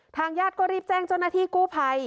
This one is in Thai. ทางญาติก็รีบแจ้งเจ้าหน้าที่กู้ภัย